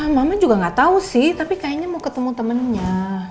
mama juga nggak tahu sih tapi kayaknya mau ketemu temennya